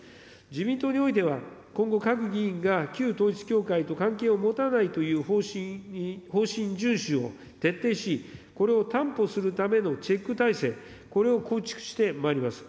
自民党においては、今後、各議員が旧統一教会と関係を持たないという方針順守を徹底し、これを担保するためのチェック体制、これを構築してまいります。